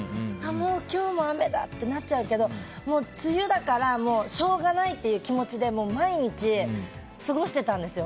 もう今日も雨だってなっちゃうけど梅雨だからしょうがないっていう気持ちで毎日、過ごしてたんですよ。